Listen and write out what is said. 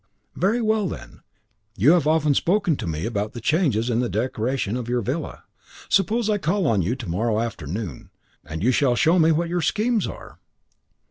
"Very well, then. You have often spoken to me about changes in the decoration of your villa. Suppose I call on you to morrow afternoon, and you shall show me what your schemes are."